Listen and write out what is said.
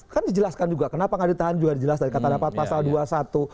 kan dijelaskan juga kenapa nggak ditahan juga dijelas dari kata dapat pasal dua puluh satu